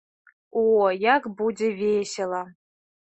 О, як будзе весела!